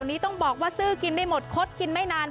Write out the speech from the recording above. นี้ต้องบอกว่าซื้อกินไม่หมดคดกินไม่นาน